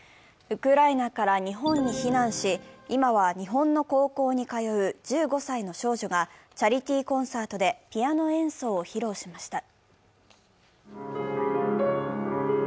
ウクライナから日本に避難し、今は日本の高校に通う１５歳の少女がチャリティーコンサートでピアノ演奏を披露しました。